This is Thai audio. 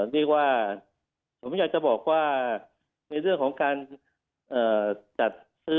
ผมไม่อยากจะบอกว่าในเฒื่อของการจัดซื้อ